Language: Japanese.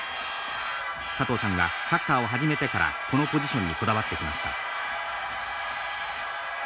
加藤さんはサッカーを始めてからこのポジションにこだわってきました。